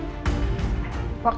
sienna mau ke rumah sakit